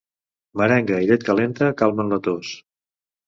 Merenga i llet calenta calmen la tos.